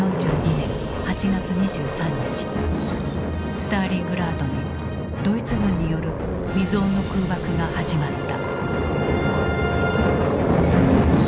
スターリングラードにドイツ軍による未曽有の空爆が始まった。